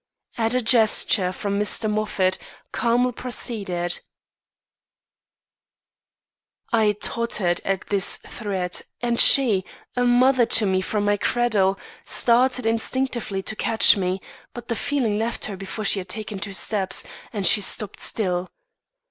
At a gesture from Mr. Moffat, Carmel proceeded: "I tottered at this threat; and she, a mother to me from my cradle, started instinctively to catch me; but the feeling left her before she had taken two steps, and she stopped still.